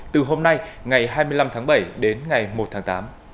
từ hôm nay ngày hai mươi năm tháng bảy đến ngày một tháng tám